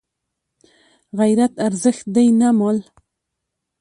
غیرت ارزښت دی نه مال